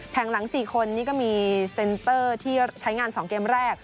หลัง๔คนนี่ก็มีเซ็นเตอร์ที่ใช้งาน๒เกมแรก